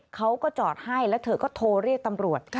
เขาก็จอดให้แล้วเธอก็โทรเรียกตำรวจ